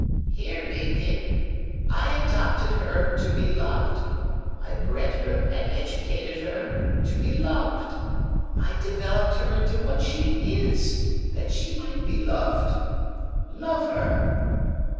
"Hear me, Pip! I adopted her, to be loved. I bred her and educated her, to be loved. I developed her into what she is, that she might be loved. Love her!"